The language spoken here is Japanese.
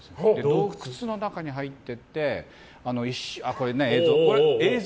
洞窟の中に入って行ってこれ映像。